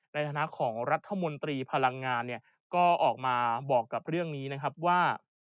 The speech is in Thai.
ในฐานะของรัฐมนตรีพลังงานเนี่ยก็ออกมาบอกกับเรื่องนี้นะครับว่า